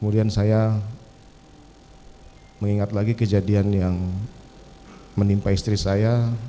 saya mengingat lagi kejadian yang menimpa istri saya